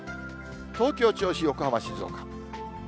東京、銚子、横浜、静岡。